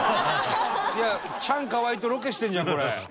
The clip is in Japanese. いやチャンカワイとロケしてるじゃんこれ。